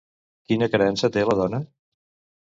Quina creença té la dona?